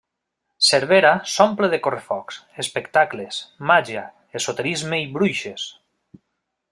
Cervera s'omple de correfocs, espectacles, màgia, esoterisme i bruixes.